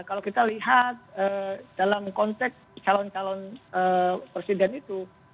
kalau kita lihat dalam konteks calon calon presiden itu